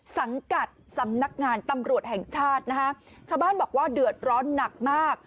สังกัดสำนักงานตำรวจแห่งชาตินะคะชาวบ้านบอกว่าเดือดร้อนหนักมาก